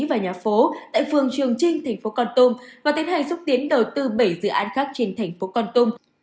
và nhà phố tại phường trường trinh tp con tum và tiến hành xúc tiến đầu tư bảy dự án khác trên tp con tum